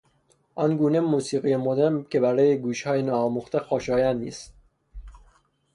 آن گونه موسیقی مدرن که برای گوشهای نا آموخته خوشایند نیست